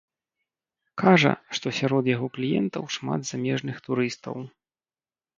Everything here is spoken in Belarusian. Кажа, што сярод яго кліентаў шмат замежных турыстаў.